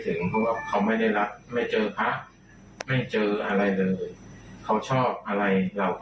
เราก็ไม่ได้ให้เขา